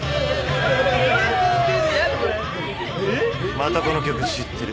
『地上の星』またこの曲知ってる。